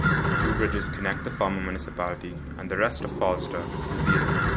Two bridges connect the former municipality, and the rest of Falster, to Zealand.